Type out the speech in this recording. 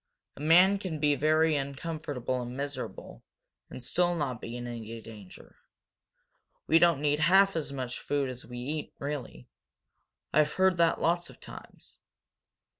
A man can be very uncomfortable and miserable, and still not be in any danger. We don't need half as much food as we eat, really. I've heard that lots of times."